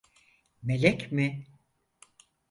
Melek mi?